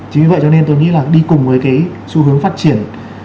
chính vì vậy cho nên tôi nghĩ là đi cùng với cái xu hướng phát triển